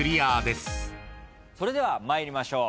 それでは参りましょう。